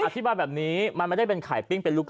อธิบายแบบนี้มันไม่ได้เป็นไข่ปิ้งเป็นลูก